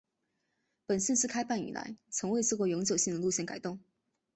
本线自开办以来从未做过永久性的路线改动。